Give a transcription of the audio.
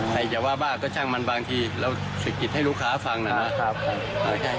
ใครจะว่าบ้าก็ช่างมันบางทีเราเศรษฐกิจให้ลูกค้าฟังนะครับ